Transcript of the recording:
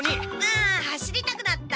あ走りたくなった！